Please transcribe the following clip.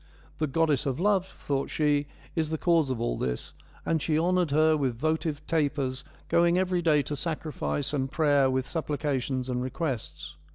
' The goddess of love,' thought she, ' is the cause of all this,' and she honoured her with votive tapers, going every day to sacrifice and prayer with supplications and requests.